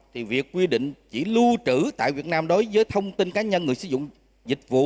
thì việc quy định chỉ lưu trữ tại việt nam đối với thông tin cá nhân người sử dụng dịch vụ